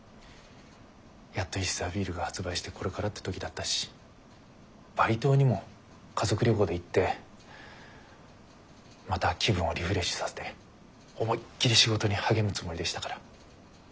やっと石沢ビールが発売してこれからって時だったしバリ島にも家族旅行で行ってまた気分をリフレッシュさせて思いっきり仕事に励むつもりでしたから。